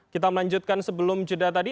kita melanjutkan sebelum jeda tadi